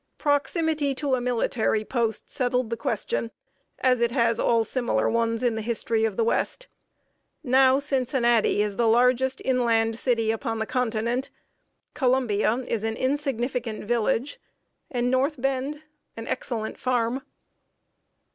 Proximity to a military post settled the question, as it has all similar ones in the history of the West. Now Cincinnati is the largest inland city upon the continent; Columbia is an insignificant village, and North Bend an excellent farm.